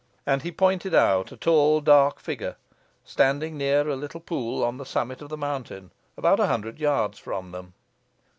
And he pointed out a tall dark figure standing near a little pool on the summit of the mountain, about a hundred yards from them.